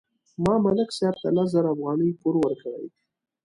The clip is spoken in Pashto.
ما ملک صاحب ته لس زره افغانۍ پور ورکړې.